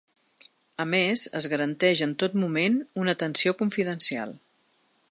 A més, es garanteix en tot moment una atenció confidencial.